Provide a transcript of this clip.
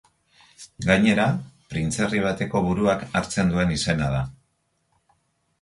Gainera, printzerri bateko buruak hartzen duen izena da.